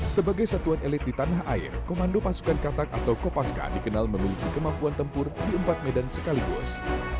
sebagai satuan elit di tanah air komando pasukan katak atau kopaska dikenal memiliki kemampuan tempur di empat medan sekaligus